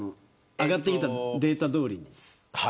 上がってきたデータどおりに。